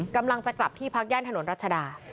กำลังจะกลับที่พักย่านถนนรัชดา